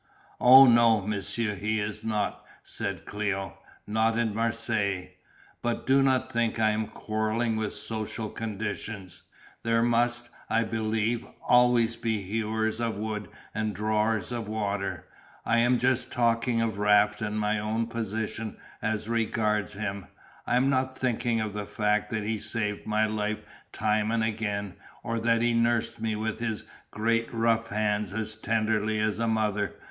"Oh, no, monsieur, he is not," said Cléo, "not in Marseilles. But do not think I am quarrelling with social conditions. There must, I believe, always be hewers of wood and drawers of water. I am just talking of Raft and my own position as regards him. I am not thinking of the fact that he saved my life time and again, or that he nursed me with his great rough hands as tenderly as a mother.